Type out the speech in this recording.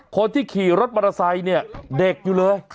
คนที่ขี่รถบารสัยเนี่ยเด็กอยู่เลย